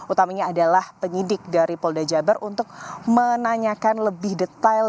utamanya adalah penyidik dari polda jabar untuk menanyakan lebih detail